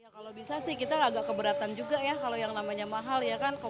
kalau bisa sih kita agak keberatan juga ya kalau yang namanya mahal ya kan